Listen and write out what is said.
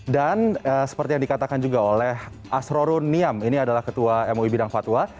dan seperti yang dikatakan juga oleh asrorun niam ini adalah ketua mui bidang fatwa